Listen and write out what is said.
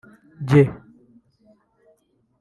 jy